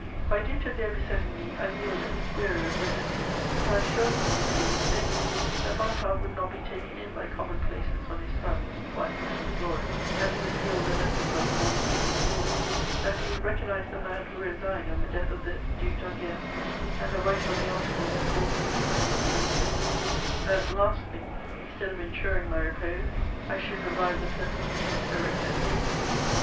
By dint of their besetting me, I yielded, weary of resistance: but I assured them that they were mistaken; that Bonaparte would not be taken in by common places on his son, his wife and his glory; that he would feel the lesson but the more keenly for them; that he would recognise the man who resigned on the death of the Duc d'Enghien and the writer of the article that caused the suppression of the Mercure; that, lastly, instead of ensuring my repose, I should revive the persecutions directed against me.